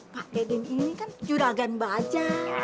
pak keden ini kan curagan baja